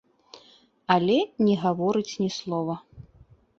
Але не гаворыць ні слова.